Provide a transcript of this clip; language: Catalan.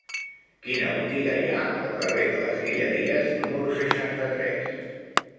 Quina botiga hi ha al carrer de les Guilleries número seixanta-tres?